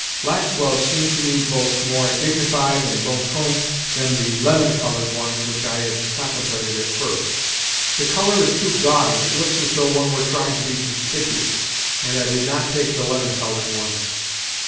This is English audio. Black gloves seemed to me both more dignified and bon ton than the lemon coloured ones which I had contemplated at first. " The colour is too gaudy, it looks as though one were trying to be conspicuous," and I did not take the lemon coloured ones.